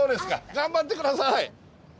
頑張って下さい。